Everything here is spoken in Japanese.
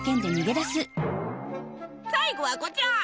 最後はこちら。